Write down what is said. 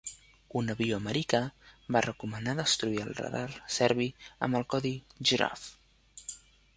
Un avió americà va recomanar destruir el radar serbi amb el codi "Giraffe".